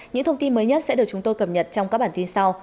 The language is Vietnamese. những thông tin mới nhất sẽ được chúng tôi cập nhật trong các bản tin sau